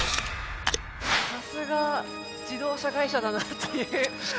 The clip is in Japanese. さすが自動車会社だなっていう。